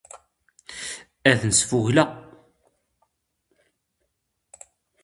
ⴰⴷ ⵏⵙⴼⵓⴳⵍⴰ.